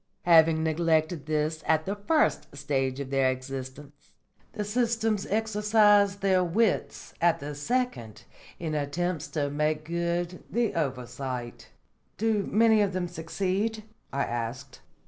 Having neglected this at the first stage of their existence, the systems exercise their wits at the second in attempts to make good the oversight." "Do many of them succeed?" I asked.